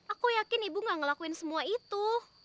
aku yakin ibu gak ngelakuin semua itu